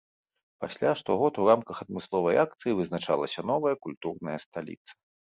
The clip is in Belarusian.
Пасля штогод у рамках адмысловай акцыі вызначалася новая культурная сталіца.